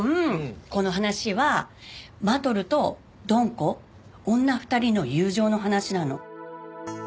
この話はマトルとドン子女２人の友情の話なの。